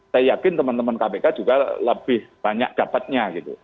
saya yakin teman teman kpk juga lebih banyak dapatnya gitu